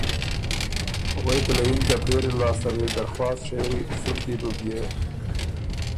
غوېکه له یِن که پېری لاسته ر دې درخواست ڒېری څُټکی بُو بيې